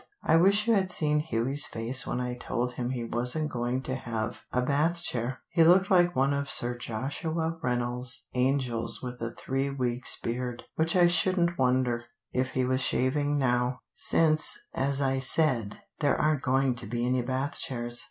I wish you had seen Hughie's face when I told him he wasn't going to have a Bath chair. He looked like one of Sir Joshua Reynolds' angels with a three weeks' beard, which I shouldn't wonder if he was shaving now, since, as I said, there aren't going to be any Bath chairs."